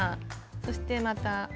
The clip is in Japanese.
そしてまた。